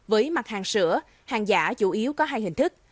với mặt hàng sữa hàng giả chủ yếu có hai hình thức